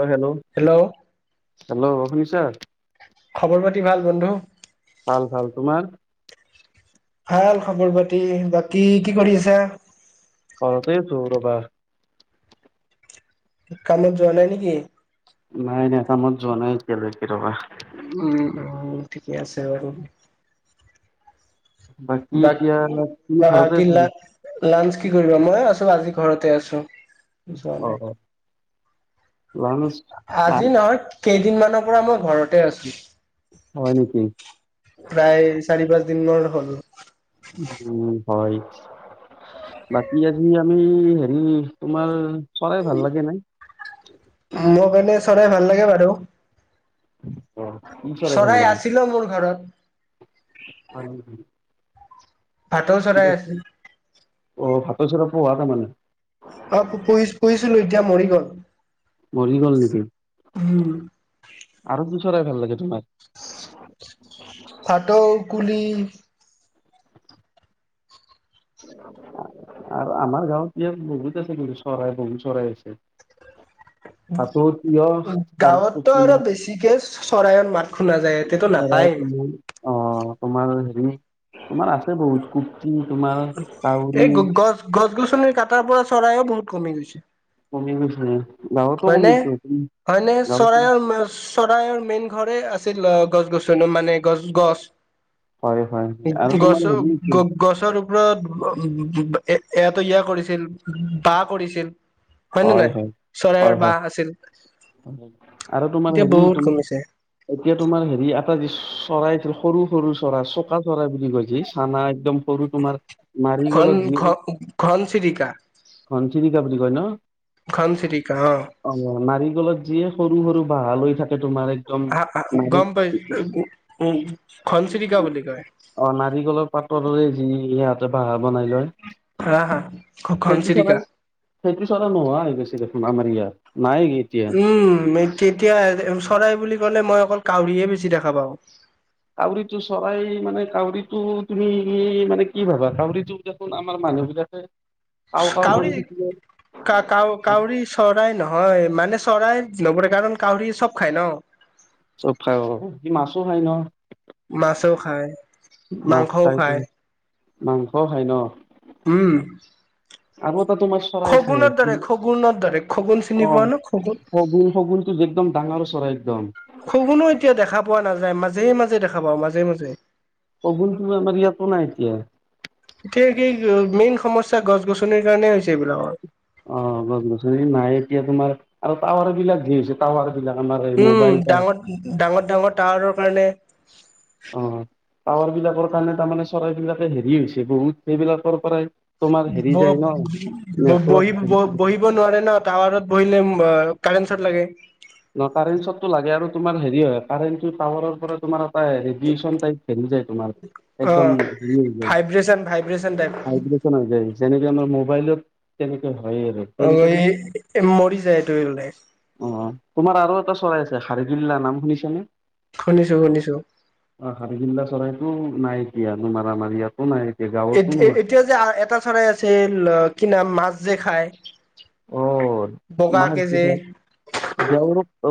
অ hello hello অ শুনিছা খবৰ পাতি ভাল বন্ধু ভাল ভাল তোমাৰ ভাল খবৰ পাতি বাকী কি কৰি আছা ঘৰতেইতো ৰবা কামত যোৱা নাই নেকি নাই নাই কামত যোৱা নাই এতিয়ালৈকে ৰবা উম উম ঠিকে আছে বাৰু বাকী বা এতিয়া তুমি ঘৰতে বাকী আছা লা লাঞ্চ কি কৰিবা মইও আজি ঘৰতে আছো যোৱা অ নাই অ লাঞ্চ আজি লাঞ্চ নহয় কেইদি দিনমানৰ পৰা মই ঘৰতে আছো হয় নেকি প্ৰায় চাৰি পাঁচ দিনৰ [unintelligible] হ'ল উম হয় বাকী আজি আমি হেৰি তোমাৰ চৰাই ভাল লাগে নে মোৰ কাৰণে চৰাই ভাল লাগে বাৰু অ', কি ভাল চৰাই লাগে? আছিল‌ও মোৰ ঘৰত [unintelligible] ভাটৌ চৰাই আছে। অ' ভাটৌৰ চৰা পোহা তামানে? অ' পো-পোহিছ, পোহিছিলো এতিয়া মৰি গ'ল। মৰি গ'ল নেকি? উম আৰু কিচ চৰাই ভাল লাগে তোমাৰ? ভাটৌ, কুলি আৰু আমাৰ গাঁৱত ইয়াত বহুত আছে কিন্তু চৰাই, বহুত চৰাই আছে। ভাটৌ, তিয়হ গাঁৱতটো তাৰপিছত আৰু বেছিকে চৰাইঅৰ মাত খুনা যায় ইয়াতেটো ধৰা নাপায়েই। তোমাৰ অ' তোমাৰ হেৰি, তোমাৰ আছে বহুত কুপ্তি, তোমাৰ কাউৰী এই গ-গছ, গছ-গছনি কাটাৰ পৰা চৰাইয়ো বহুত কমি গৈছে। কমি গৈছে। গাঁৱতো হয় নে? কমিছে তুমি হয় নে? গাঁৱতো চৰায়ো মাছ চৰাইঅৰ মেইন ঘৰে আছিল আ-গছ গছনি মানে গছ, গছ। হয় হয় হয়। আৰু তোমাৰ হেৰি আছে, গছৰ-গ-গছৰ ওপৰত এ-এতেইয়া কৰিছিল বা কৰিছিল নে হয়, নাই? হয়। চৰাইৰ হয়, হয়, বাহ আছিল আৰু তোমাৰ এতিয়া হেৰি বহুত কমিছে তোমা-এতিয়া তোমাৰ হেৰি আ যিচ চৰাই সৰু, সৰু চৰাই চকা চৰাই বুলি কৈযি চানা একদম সৰু তোমাৰ মাৰি ঘন গলত যি, ঘন ঘন চিৰিকা ঘনচিৰিকা [unintelligible] কয় ন। ঘন চিৰিকা অ' নাৰিকলত যিয়ে সৰু, সৰু বাঁহা লৈ থাক তোমাৰ একদম নাৰি, গম পাই উ ঘনচিৰিকা বুলি কয় অ', নাৰিকলৰ পাতদৰে যি ইয়াত [unintelligible] হা, হা সেইটো চৰাই ঘ-ঘনচিৰিকা। সেইটো চৰাই নোহোৱা হৈ গৈছে দেখোন আমাৰ ইয়াত। নাই এতিয়া উম এ-তেতিয়া এজ এ-এ চৰাই বুলি ক'লে মই অকল কাউৰীহে বেছি দেখা পাওঁ। কাউৰীটো চৰাই, মানে কাউৰীটো তুমি কি মানে কি ভাবা? কাউৰীটো দেখোন আমাৰ মানুহবিলাকে কাউৰী কা-কাউ, কাউৰী চৰাই নহয় মানে চৰাই নপৰে, কাৰণ কাউৰিয়ে চব খাই ন'। চব খাই অ', ই মাছো খায় ন'? মাছো খায়। মাছ মাংসও খাই খায় মাংসও উম আব খগুনৰ দ্বৰে খগুনৰ দ্বৰে খগুন অ চিনি পোৱা ন খগুন শগুন শগুনটো যে একদম ডাঙৰ চৰাই একদম খগুনো এতিয়া দেখা পোৱা নাযায় মাজে মাজে দেখা পা মাজে মাজে শগুনটো আমাৰ ইয়াতো নাই এতিয়া এতিয়া কি মেইন সমস্্যা গছ গছনিৰ কাৰণে হৈছে এইবিলাকৰ অ গছ গছনি নাই এতিয়া তোমাৰ আৰু টাৱাৰ বিলাক যি হৈছে টাৱাৰ বিলাক আমাৰ এই উম মোবাইল টাৱাৰ ডাঙৰ ডাঙৰ ডাঙৰ টাৱাৰৰ কাৰণে অ পাৱাৰ বিলাকৰ কাৰণে তাৰমানে চৰাইবলাকে হেৰি হৈছে বহুত সেইবিলাকৰ পৰাই তোমাৰ হেৰি ব যায় ন নেটৱৰ্ক বহিব বহিব নোৱাৰে ন টাৱাৰত বহিলে কাৰেণ্ ছত লাগে ন কাৰেন্টতটো লাগে আৰু তোমাৰ হ হয় কাৰে টাৱাৰৰ পৰা তমাৰ ৰেডেনট হৰি যায় তোমাৰ অ একদম হেৰি হৈ যায় ভাইব্ৰেচন ভাইব্ৰেচন টাইপ হাই্ৰেন হৈ যায় যেনেকে আমাৰ মোবাইলত তেনেকুৱ হয় অ এই মৰিছাইটোলে অ তোমাৰ আৰু এটা চৰাইছোৰিফুল্লা নাম শুনিছানে শুনিছো শুনিছো অ হাৰগিল্লা চৰাইটোো নাইক ইিয় নো মাৰামাৰী আাতো নাই এতিয়া গাঁৱতো এতি নাই এতিয়া যে এটা চৰাই আছিল কিনা মাছ যে খাই অ মা বি যে যও অ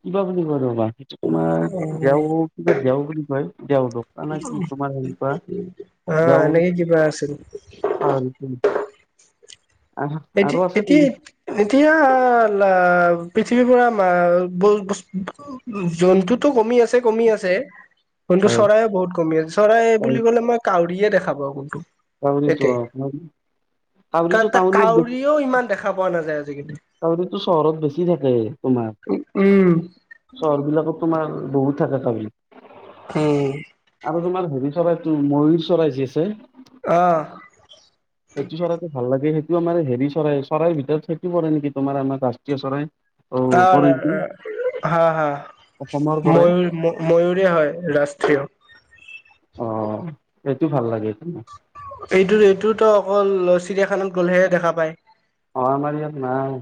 কিবা বুলি কৰবা তোমাৰ দেও কিবা দোও বুলি কয় দেও দ ন কি তোমাৰ হেৰিা অ এনেকে কিবা আছিল যাও আহ আৰু আছে এ এতিয়া পৃথিৱীৰ পৰা জন্তুতো কমি আছে কমি আছে কিন্তু হয় চৰাইে বহুত কমি আছে চৰাই বুলি ক'লে মই কাউ কৰিয়ে দেখাব কোনটো ত ঋত কা তঋত ত তাক কাউৰীও ইমান দেখা পোৱা নাযায় আজিকালি কউৰিতো চহৰত বেছি থাকে তোমাৰ উম চহৰ বিলাকত তোমাৰ বহুত থাকে ত। উম', আৰু তোমাৰ হেৰি চৰাইটো ময়ুৰ চৰাই যি আছে। অঁহ ', সেটো চৰাইটো ভাল লাগেই। আমাৰ হেৰি চৰাই চৰাইৰ ভিতৰত চেকি পৰে নেকি তোমাৰ আমাৰ ৰাষ্ট্ৰীয় চৰাই। অ অহ পৰে নেকি ', হা - হা অসমৰ পৰে ময়ুৰ ময়ুৰে হয় ৰাষ্ট্ৰীয়। এইটো ভাল লাগেটো যি এইটো - এইটোতো অকল চিৰিয়াখানাত গ'লেহে দেখা পায়। অহ আমাৰ ইয়াত নাই।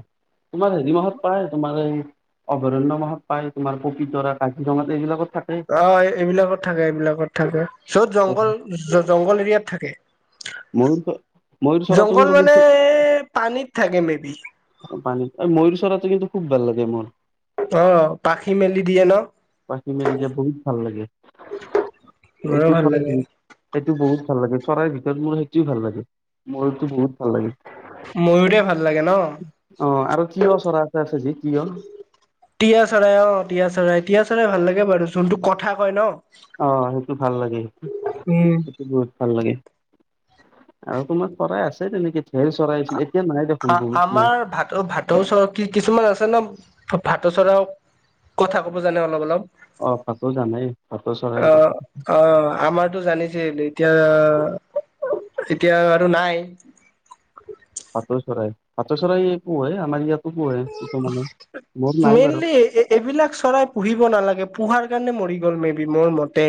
তোমাৰ হেৰি মাহাত পায় তোমাৰ এই অভয়াৰণ্যত মাহাত পায় তোমাৰ পবিতৰা কাজিৰঙাত এইবিলাকত থাকে অহ ', এইবিলাকত থাকে এইবিলাকত থাকে য'ত জংঘল জংঘল এৰিয়াত থাকে। ময়ুৰ চ ময়ূ চৰাটো জংঘল কিন্তু ম মানে পানীত থাকে মে বি পানী ময়ূৰ চৰাটো কিন্তু। খুব ভাল লাগে মোৰ। অ' পাখি মেলি দিয়ে ন। পাখি মেলিলে বহুত ভাল লাগে মোৰো এইটো ভাল চৰাই লাগে বহুত এইটো বহুত ভাল লাগে চৰাইৰ। ত' মোৰ সেইটোে ভাল লাগে মোৰতো বহুত ভাল লাগে। ময়ূৰে ভাল লাগে ন অ আৰু তিঁয়হ চৰা এটা আছে যি তিঁয়হ তিয়াঁ চৰাই অঁহ ', তিয়াঁ চৰাই তিয়াঁ ভাল লাগে বাৰু যোনটো কথা কয় ন। অহ ', সেইটো ভাল লাগে উম। সেইটো বহুত ভাল লাগে। আৰু অকনমান চৰাই আছে তেনেকে। ঢেৰ চৰাই আছিল এতিয়া নাই দেখোন আঁ বহুত - নাই আমাৰ ভাটৌ ভাটৌ চৰ কিছুমান আছে ন। ভাতৌ চৰাইও কথা ক'ব জানে অলপ - অলপ। অ ভাতো জানাই ভাটৌ চৰাই অহ কথা ', - অহ ', আমাৰটো জানিছে এতিয়া - এতিয়া আৰু আৰু নাই। [inaudible] ভাটৌ চৰাই - ভাটৌ চৰাই এ পূঢ়ে আমাৰ ইয়াত। বাৰু মেইনলি এইবিলাক চৰাই পুঢ়িব নালাগে পোহাৰ কাৰণে মৰি ল মে বি মোৰ মতে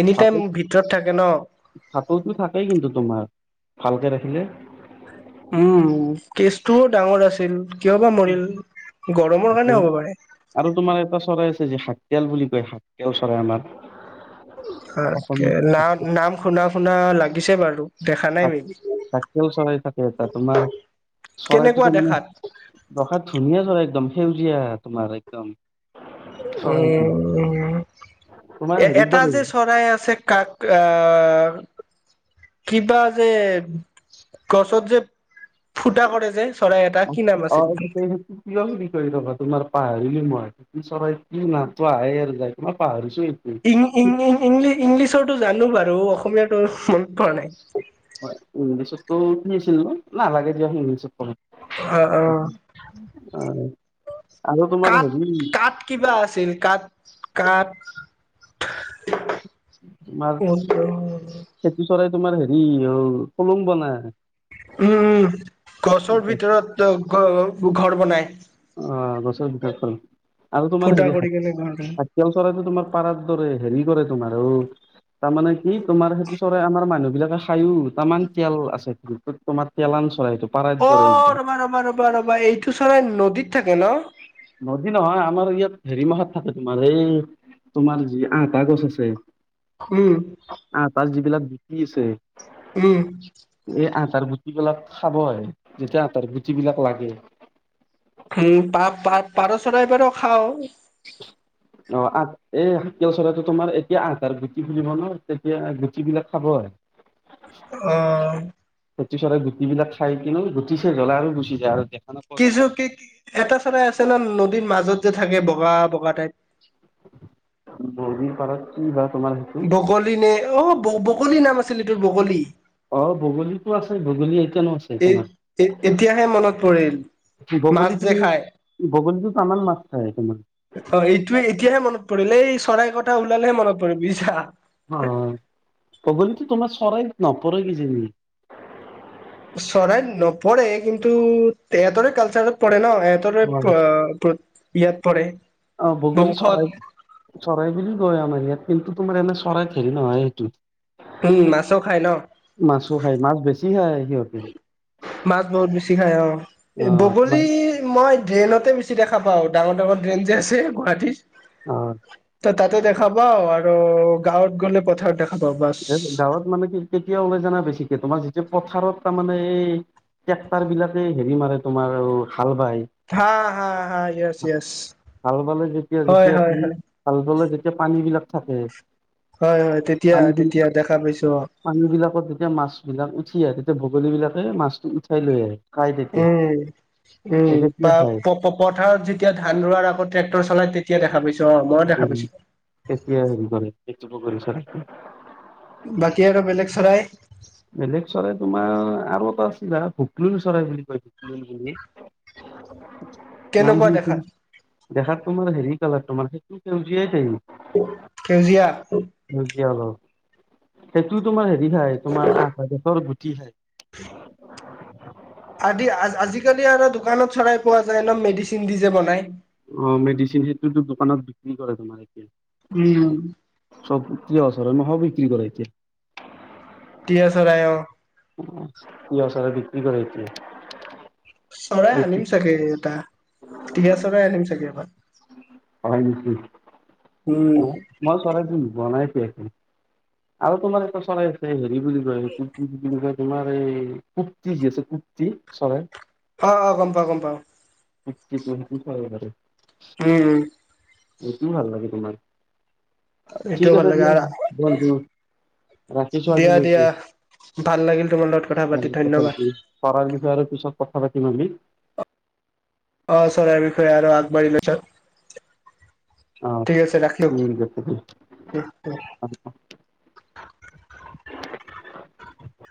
এনি টাইম ভাটৌটো ভিতৰত থাকে ন। -ভাটৌটো থাকেই কিন্তু তোমাৰ। ভালকে ৰাখিলে। উম', কেচটোও ডাঙৰ আছিল। কিয় বা মৰিল গৰমৰ ভাটৌ কাৰণে হ'ব পাৰে। তেল বুলি কয় শাক তেল চৰাই আমাৰ। তাক অসমীয়াত শাক নাম- নাম শুনা শুনা লাগিছে বাৰু। দেখা নাই মে বি থাকেল চৰাই থাকে এটা তোমাৰ চৰাইটো কেনেকুৱা তো মানে দেখাত দেখাত ধুনীয়া চৰাই একদম। সেউজিয়া তোমাৰ একদম। চৰাইটো উম তোমাৰ এ হেৰিৰ এটা দৰে যে চৰাই আছে কাক আ কিবা যে গছত যে ফুটা কৰে যে। চৰাই এটা কি [unintelligible] নাম আছিল? তোমাৰ [unintelligible] মই চৰাইটি নাপাইয়ে [unintelligible] পাহৰি ইং ইং ইং ইংলিছত। টো জানো বাৰু অসমীয়াাতো মনত পোৱা নাই। হয় ইংলিছতো [unintelligible] নাই নালাগে দিয়া ইিংলিছত পঢ়ি। অ', অ', আৰু তোমাৰ কাত হেৰি কাত কিবা আছিল কাত কাত। [unintelligible] তোমাৰ [unintelligible] সেইটো চৰাই তোমাৰ হেৰি অ, [unintelligible] বনাাই। উম গছৰ ভিতৰতো ঘৰ বনাই। অ গছৰ ভিৰতত ঘ আৰু তোমাৰ ফুটা হেৰি কৰি কেনে ঘৰ বনাই। হাকিয়াল চৰাইটো তোমাৰ পাৰাৰ দৰে। হেৰি কৰে তোমাৰ অ তাৰমানে কি তোমাৰ সেইটো চৰাই আমাৰ মানুহ বিলাকে খায়ো তাৰমানে তেল আছে তোমাৰ তেল আ অ ৰ'বা ৰ'বা ৰ'বা ৰ'বা এইটো চৰাই নদীত থাকে ন? নদী নহয় আমাৰ ইয়াত হেৰি মাখাত থাকে তোমাৰ এই তোমাৰ যি আটা গছ আছে। উম। কি হৈছে? উম। তাৰ গুটিবিলাক খাব আহে যেতিয়া আঠাৰ গুট বিলাক লাগে। উম পা পা পাৰ চৰাইবাৰো খাওঁ। অ', আ এই শাকেল চৰাইটো তোমাৰ এতিয়া আটাৰ গুটি খুলিব ন তেতিয়া গুটি বিলাক খাব। অঁ, ফেটি চৰাই গুটিবিলাক খাই কিনু গুটিছে জ্বলে আৰু গুচি যায় নাপাওঁ কিছু তোমাক কি এটা চৰাাই আছে না নদীৰ মাজত যে থাকে বগা বগা টাইপ। নদীৰ পাৰত, কিবা? বগলী নে অ ব ব বগলি নাম আছিল সিটোৰ বগলী। অ বগলীতো আছে বগলী। এতিয়ানো আছে এ তোমাৰ এ এতিয়াহে মনত পৰে মাছ বগলীতো যে খাই বগলীটোত আমাৰ মাছ খায় তোমাৰ অ এইটোৱে এতিয়াহে মনত পৰিলে এই চৰাই কথা ওলালেহে মনত পৰে বুজিছা। হয় বগলীটো তোমাৰ চৰাইত নপৰে কি জানি। চৰাইত নপৰে কিন্তু তেহঁতৰে কালচাৰত পৰে ন'। এটাৰে হয়। প প্ৰ ইয়াত পৰে। অ', বগলী বংশত চৰাই, চৰাই বুলি কয় আমাৰ ইয়াত কিন্তু তোমাৰ এনে চৰাই হেৰি নহয় সেইটোত। উম, মাছো খাই ন'। মাছো খায় [unintelligible] মাছ মই বেছি খাওঁ, অ', বগলী মই ড্ৰেইনতে বেছি দেখা পাওঁ। ডাঙৰ, ডাঙৰ ড্ৰেন যে, আছে গুৱাহাটী অ'। তাতে দেখা পাওঁ আৰু গাঁৱত গ'লে পথাৰত দেখ এ, গাঁৱত মানে কি-কেতিয়া ওলাই জানা বেছিকে তোমাৰ যেতিয়া পথাৰত তাৰ মানে এই ট্ৰেক্টাৰ বিলাকে হেৰি মাৰে তোমাৰ অ' হাল বাই, হা হা হা য়েছ য়েছ হাল বালে যেতিয়া, হয় যেতিয়া হয় তুমি হয় হাল বালে তেতিয়া পানী বিলাক তাকে হয়, হয় তে পানী বি, পানী বিলাকত যেতিয়া মাছ বিলাক উঠি আহে তেত বগলী বিলাকে মাছটো উঠাই লৈ আহে। খাই তেতিয়া উম, এ উম, তেতিয়া খাই প-প-প-পথাৰত যেতিয়া ধান ৰোৱাৰ আগত ট্ৰেক্টৰ চলাই তেতিয়া দেখা পাই উম, তেতিয়া হেৰি কৰে এইটো [unintelligible] বাকী আৰু বেলেগ চৰাই বেলেগ চৰাই তোমাৰ [unintelligible] বুলি নাম কেনেকুৱা কি দেখা [unintelligible] দেখাত তোমাৰ হেৰি তোমাৰ সজিয়াই য সেউজীয়া সেউজীয়া অলপ। সেইটো তোমাৰ হেৰি থ তোমাৰ আ [unintelligible] কি খাই? [unintelligible] [inaudible] আদি আজিকালি আৰু দোকানত চৰাই পোৱা যায় একদম মেডিচিন দি যে বনাই। অ' মেডিচিন সেইটোতো দোকানত বিক্ৰী কৰে তোমাৰ উম এতিয়া। চব কি আছৰ মই হবি কি কৰা এতিয়া? তিয়া চৰাই অ'। তিয় চৰাই বিক্ৰী কৰে এতিয়া। চৰাই আনিম চাগে এটা, তিহা চৰাই আনিম চাগে এইবাৰ। হয় নেকি, উম মোৰ চৰাই দিন হোৱা নাই। [unintelligible] আৰু তোমালোকৰ চৰাই [unintelligible] তোমাৰ এই কুপ্তি যি আছে কুপ্তি চৰাই, আহ অ গম পাওঁ গম পাওঁ, [unintelligible] উম এইট ভাল লাগে তোমাক। ঠিক এইটোও ভাল আছে লাগে দিয়া আৰু ৰাখিছো দিয়া দিয়া আজিলৈকে ভাল লাগিল তোমাৰ লগত কথা পাতি ধন্যবাদ। পিচত কথা পাতিম আমি, আহ ছাৰ এই বিষয়ে আৰু আগবাঢ়িলে ছাৰ। অঁ ঠিক আছে দে, ৰাখিলো অ'অ' [unintelligible]